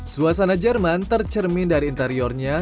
suasana jerman tercermin dari interiornya